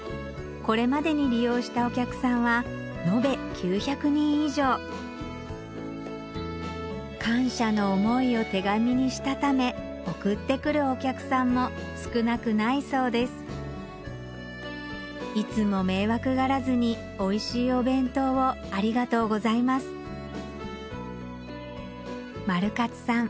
これまでに利用したお客さんは延べ９００人以上感謝の思いを手紙にしたため送って来るお客さんも少なくないそうです「いつもめいわくがらずに美味しいお弁当をありがとうございます」「まるかつさん